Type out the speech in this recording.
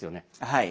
はい。